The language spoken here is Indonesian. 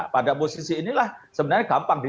pada posisi inilah sebenarnya gampang